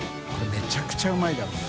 めちゃくちゃうまいだろうな。